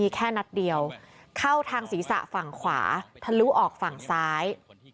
แค่นัดเดียวเข้าทางศีรษะฝั่งขวาทะลุออกฝั่งซ้าย